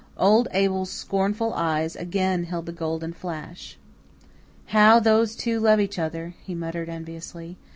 Old Abel's scornful eyes again held the golden flash. "How those two love each other!" he muttered enviously.